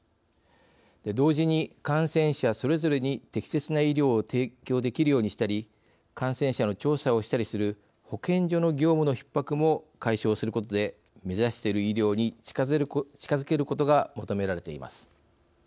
同時に感染者それぞれに適切な医療を提供できるようにしたり感染者の調査をしたりする保健所の業務のひっ迫も解消することで目指している医療に近づけることが求められています。